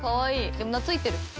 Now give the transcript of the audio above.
でも懐いてる。